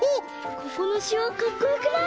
ここのしわかっこよくない？